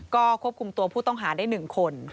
ก็ควบคุมตัวผู้ต้องหาได้๑คน